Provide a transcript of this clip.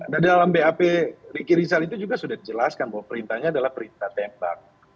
nah dalam bap ricky rizal itu juga sudah dijelaskan bahwa perintahnya adalah perintah tembak